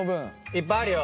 いっぱいあるよ。